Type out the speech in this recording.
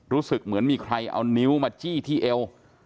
รู้สึกเหมือนมีใครเอานิ้วมาจี้ที่เอว